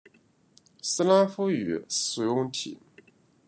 斯拉夫语使用体。